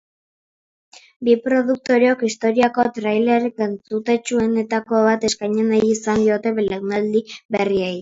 Bi produktoreok historiako thrillerik entzutetsuenetako bat eskaini nahi izan diote belaunaldi berriei.